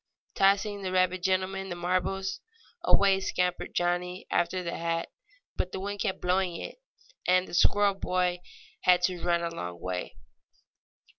Tossing the rabbit gentleman the marbles, away scampered Johnnie after the hat. But the wind kept on blowing it, and the squirrel boy had to run a long way.